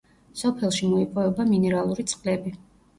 სოფელში მოიპოვება მინერალური წყლები.